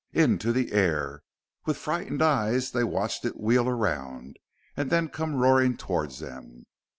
Into the air! With frightened eyes they watched it wheel around, and then come roaring towards them.